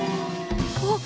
あっ！